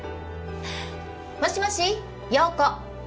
もしもし葉子